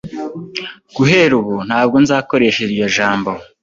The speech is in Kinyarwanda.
Guhera ubu, ntabwo nzakoresha iryo jambo.